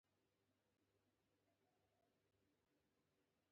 لیونی چا واده کی نه پریښود ده ويل چي زه دناوی په اوښ سپریږم